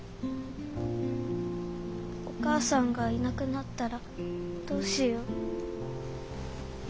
お母さんがいなくなったらどうしよう。